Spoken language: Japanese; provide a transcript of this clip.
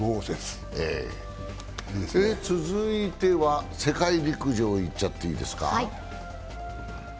続いては世界陸上いっちゃっていいですか？